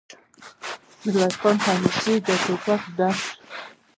ميرويس خان ته نږدې د ټوپک ډز شو.